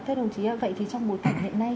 thưa đồng chí ạ vậy thì trong buổi thử hiện nay